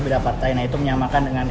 beda partai nah itu menyamakan dengan